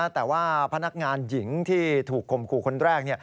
แต่ว่าพนักงานหญิงที่ถูกคมขู่คนแรก